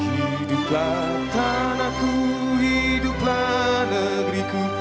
hiduplah tanahku hiduplah negeriku